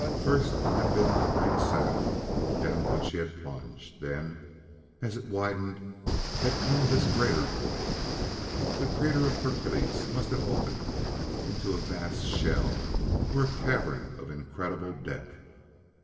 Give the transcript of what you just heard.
First had been the great shaft down which he had plunged; then, as it widened, had come this greater void. The crater of Hercules must have opened, into a vast shell or a cavern of incredible depth.